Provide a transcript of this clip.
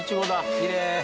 きれい。